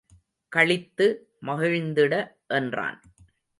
களித்து மகிழ்ந்திட என்றான்.